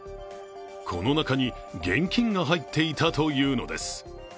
この中に現金が入っていたというのです。